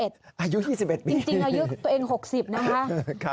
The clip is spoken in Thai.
จริงอายุตัวเอง๖๐นะคะ